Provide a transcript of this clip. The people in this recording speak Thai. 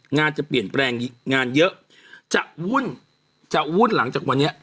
งานจะเปลี่ยนแปลงงานเยอะจะวุ่นจะวุ่นหลังจากวันนี้